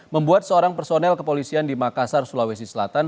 membuat seorang personel kepolisian di makassar sulawesi selatan